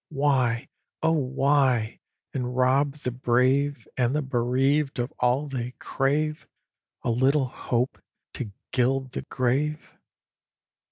Why Oh why? and rob the brave And the bereav'd of all they crave, A little hope to gild the grave?"